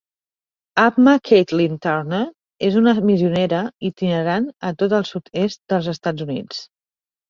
Amma Caitlin Turner és una missionera itinerant a tot el sud-est dels Estats Units.